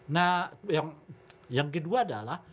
nah yang kedua adalah